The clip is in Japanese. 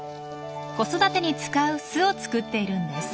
子育てに使う巣を作っているんです。